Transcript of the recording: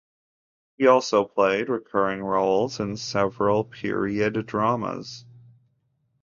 He also played recurring roles in several period dramas.